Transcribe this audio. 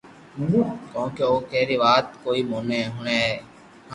ڪونڪھ او ڪي ري وات ڪوئي ھڻي ھي